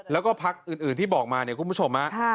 แล้วก็พักอื่นที่บอกมาเนี่ยคุณผู้ชมฮะ